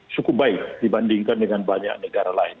cukup baik dibandingkan dengan banyak negara lain